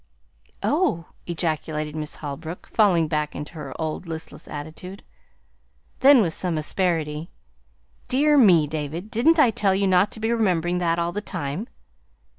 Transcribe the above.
"Oh," ejaculated Miss Holbrook, falling back into her old listless attitude. Then, with some asperity: "Dear me, David! Did n't I tell you not to be remembering that all the time?"